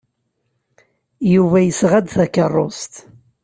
Yuba yesɣa-d takeṛṛust.